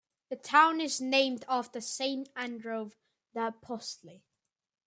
The town is named after Saint Andrew the Apostle.